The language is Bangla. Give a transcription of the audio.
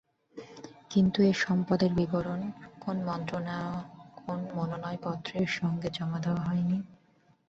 কিন্তু এ সম্পদের বিবরণ কেন মনোনয়নপত্রের সঙ্গে জমা দেওয়া হয়নি?